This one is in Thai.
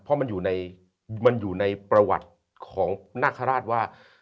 เพราะมันอยู่ในประวัติของนาคาราชว่า